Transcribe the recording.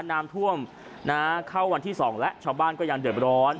น้ำท่วมเข้าวันที่๒แล้วชาวบ้านก็ยังเดือดร้อน